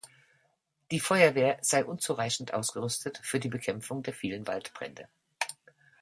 Die Feuerwehr sei unzureichend ausgerüstet für die Bekämpfung der vielen Waldbrände.